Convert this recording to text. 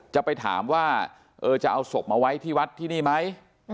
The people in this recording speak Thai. จะไปถามว่าจะเอาศพมาไว้ที่วัดที่นี่ไหม